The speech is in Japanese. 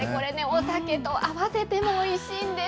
お酒と合わせてもおいしいんです。